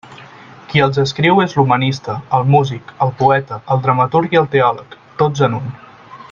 Qui els escriu és l'humanista, el músic, el poeta, el dramaturg i el teòleg, tots en un.